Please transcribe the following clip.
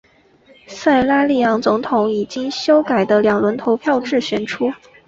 塞拉利昂总统以经修改的两轮投票制选出。